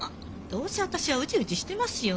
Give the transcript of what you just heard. どうせ私はウジウジしてますよ。